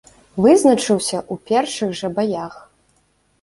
Вызначыўся ў першых жа баях.